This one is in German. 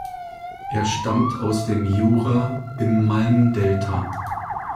Er stammt aus dem Jura im Malm-Delta.